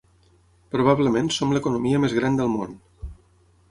Probablement som l’economia més gran del món.